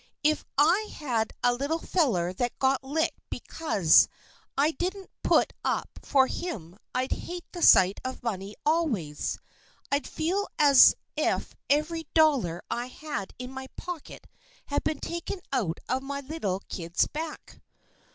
If I had a little feller that got licked bekuz I didn't put up for him I'd hate the sight of money always. I'd feel as ef every dollar I had in my pocket had been taken out of my little kid's back."